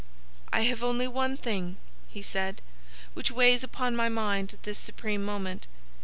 "'I have only one thing,' he said, 'which weighs upon my mind at this supreme moment.